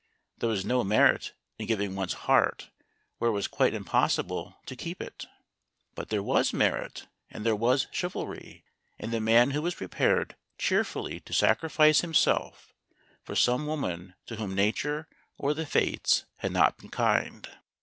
There was no merit in giving one's heart where it was quite impossible to keep it. But there was merit and there was chivalry in the man who was prepared cheerfully to sacrifice himself for some woman to whom Nature or the Fates had not been kind.